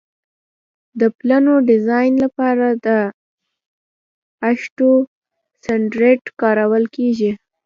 د پلونو ډیزاین لپاره د اشټو سټنډرډ کارول کیږي